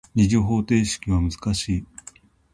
二次方程式は難しい。